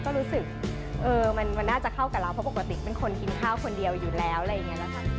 ก็รู้สึกมันน่าจะเข้ากับเราเพราะปกติเป็นคนกินข้าวคนเดียวอยู่แล้วอะไรอย่างนี้นะคะ